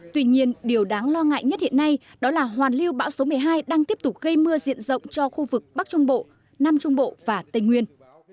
tuy nhiên điều đáng lo ngại nhất hiện nay đó là hoàn lưu bão số một mươi hai đang tiếp tục gây mưa diện rộng cho khu vực bắc trung bộ nam trung bộ và tây nguyên